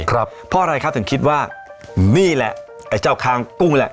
เพราะอะไรครับถึงคิดว่านี่แหละไอ้เจ้าค้างกุ้งแหละ